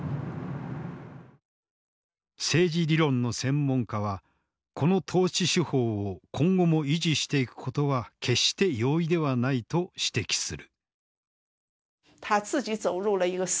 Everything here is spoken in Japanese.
政治理論の専門家はこの統治手法を今後も維持していくことは決して容易ではないと指摘する。